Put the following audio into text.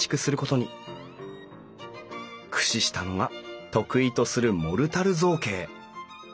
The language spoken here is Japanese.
駆使したのが得意とするモルタル造形。